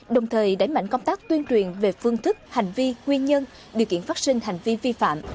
đồng thời đẩy mạnh công tác tuyên truyền về phương thức hành vi nguyên nhân điều kiện phát sinh hành vi vi phạm